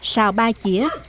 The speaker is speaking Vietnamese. xào ba chĩa